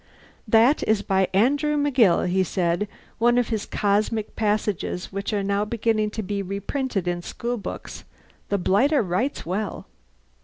"That is by Andrew McGill," he said. "One of his cosmic passages which are now beginning to be reprinted in schoolbooks. The blighter writes well."